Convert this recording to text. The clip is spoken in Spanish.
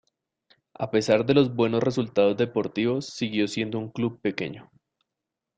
A pesar de los buenos resultados deportivos, siguió siendo un club pequeño.